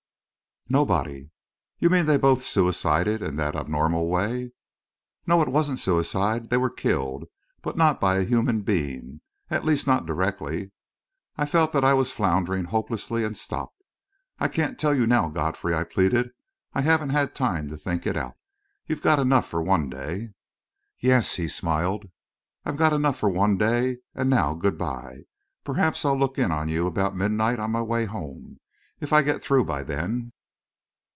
"Nobody." "You mean they both suicided in that abnormal way?" "No, it wasn't suicide they were killed but not by a human being at least, not directly." I felt that I was floundering hopelessly, and stopped. "I can't tell you now, Godfrey," I pleaded. "I haven't had time to think it out. You've got enough for one day." "Yes," he smiled; "I've got enough for one day. And now good bye. Perhaps I'll look in on you about midnight, on my way home, if I get through by then."